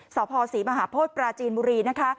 สพศรีมหาโพธิปราจีนบุรีนะคะ